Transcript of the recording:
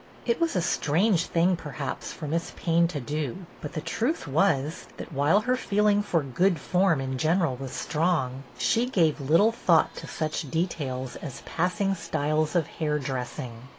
It was a strange thing, perhaps, for Miss Payne to do, but the truth was, that, wliile her feeling for " good form " in general was strong, she gave little thought to such details as passing styles of hair dressing.